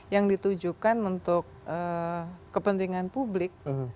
yang ditujukan untuk kepentingan publik